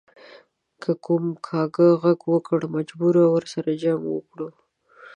که کوم کاکه ږغ وکړ مجبور و ورسره جنګ وکړي.